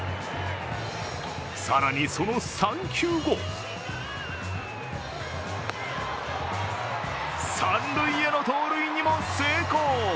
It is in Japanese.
更にその３球後三塁への盗塁にも成功。